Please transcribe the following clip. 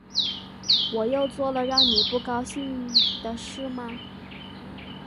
我又做了让你不高兴的事吗